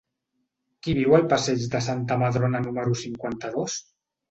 Qui viu al passeig de Santa Madrona número cinquanta-dos?